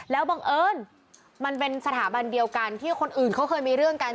แล้วบังเอิญมันเป็นสถาบันเดียวกันที่คนอื่นเขาเคยมีเรื่องกัน